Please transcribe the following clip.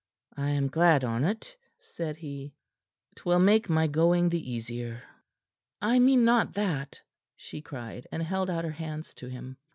"I am glad on't," said he. "'Twill make my going the easier." "I mean not that," she cried, and held out her hands to him.